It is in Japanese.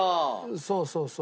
そうそうそう。